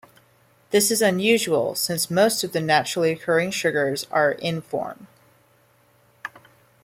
This is unusual, since most of the naturally occurring sugars are in -form.